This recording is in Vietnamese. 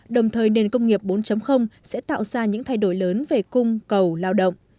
đồng thời nền công nghiệp bốn sẽ tạo ra những thay đổi lớn về cung cầu lao động